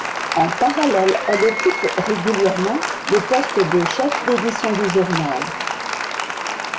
En parallèle, elle occupe régulièrement le poste de chef d'édition du journal.